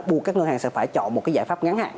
buộc các ngân hàng sẽ phải chọn một giải pháp ngắn hạn